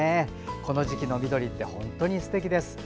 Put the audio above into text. この時期の緑って本当にすてきです。